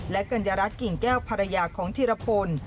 กัญญารัฐกิ่งแก้วภรรยาของธีรพล